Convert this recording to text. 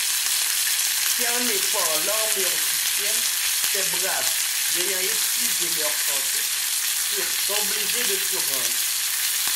Cernés par l'armée autrichienne, ces braves ayant épuisé leurs cartouches, furent obligés de se rendre.